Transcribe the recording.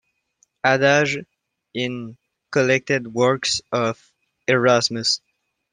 "Adages" in "Collected Works of Erasmus".